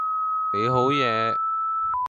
你好嘢